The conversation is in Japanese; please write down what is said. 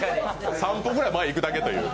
３歩ぐらい前に行くだけという。